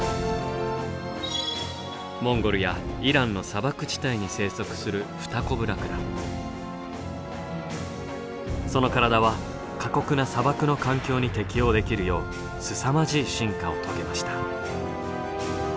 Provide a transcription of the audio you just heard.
モンゴルやイランの砂漠地帯に生息するその体は過酷な砂漠の環境に適応できるようすさまじい進化を遂げました。